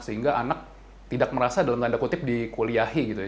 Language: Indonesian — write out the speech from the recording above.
sehingga anak tidak merasa dalam tanda kutip dikuliahi gitu ya